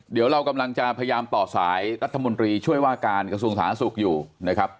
เดี๋ยวเรากำลังจะพยายามต่อสายรัฐมนตรีช่วยว่าการกระทรวงสาธารณสุขอยู่นะครับ